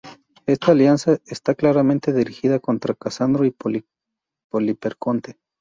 Esta alianza está claramente dirigida contra Casandro y Poliperconte.